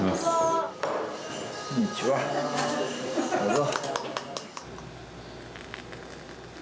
こんにちはどうぞ。